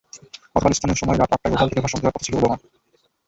গতকাল স্থানীয় সময় রাত আটটায় ওভাল থেকে ভাষণ দেওয়ার কথা ছিল ওবামার।